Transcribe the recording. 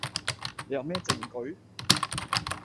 你有咩證據?